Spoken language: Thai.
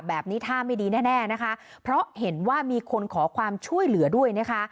ท่าไม่ดีแน่แน่นะคะเพราะเห็นว่ามีคนขอความช่วยเหลือด้วยนะคะ